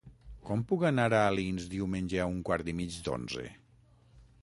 Com puc anar a Alins diumenge a un quart i mig d'onze?